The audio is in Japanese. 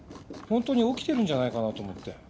本当に起きてるんじゃないかなと思って。